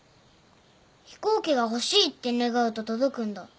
飛行機が欲しいって願うと届くんだ。